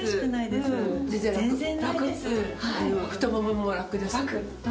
太もももラクです。